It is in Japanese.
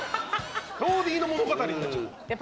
ローディーの物語になっちゃってる。